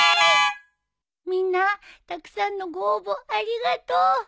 みんなたくさんのご応募ありがとう！